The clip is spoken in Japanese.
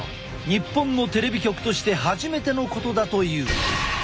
日本のテレビ局として初めてのことだという。